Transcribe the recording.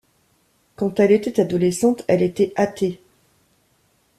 Quand elle était adolescente, elle était athée.